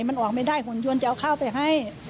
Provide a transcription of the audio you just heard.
มันออกไม่ได้หุ่นยนต์จะเอาข้าวไปให้